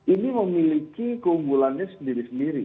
ini memiliki keunggulannya sendiri sendiri